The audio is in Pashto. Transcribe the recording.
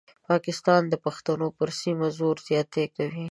پاکستان د پښتنو پر سیمه زور زیاتی کوي.